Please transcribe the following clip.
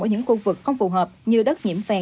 ở những khu vực không phù hợp như đất nhiễm phèn